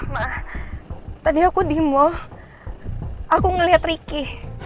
ma tadi aku di mall aku ngeliat riki